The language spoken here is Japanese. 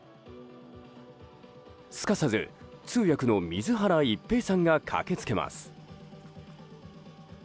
すかさず通訳の水原一平さんが駆けつけます。